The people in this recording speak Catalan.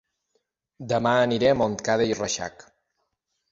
Dema aniré a Montcada i Reixac